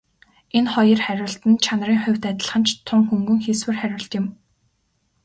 Энэ хоёр хариулт нь чанарын хувьд адилхан ч тун хөнгөн хийсвэр хариулт юм.